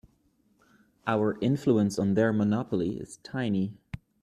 Our influence on their monopoly is tiny.